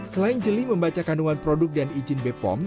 selain jeli membaca kandungan produk dan izin bepom